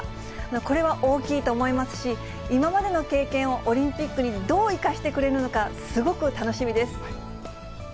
これは大きいと思いますし、今までの経験をオリンピックにどう生かしてくれるのか、すごく楽しみです。